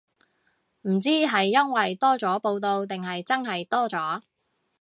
唔知係因為多咗報導定係真係多咗